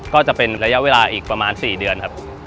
ก็จะเป็นระยะเวลาอีกประมาณ๔เดือนครับ